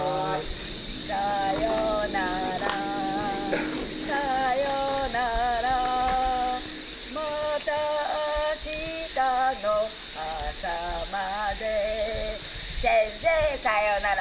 さよならさよならまたあしたのあさまで先生さよなら